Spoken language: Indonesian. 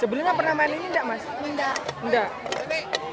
sebelumnya pernah main ini nggak mas